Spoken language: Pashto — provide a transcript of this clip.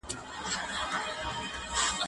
زه به سبا ځواب وليکم!!!!